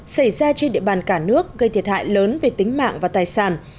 xảy ra trên địa bàn cả nước gây thiệt hại lớn về tính mạng và tài sản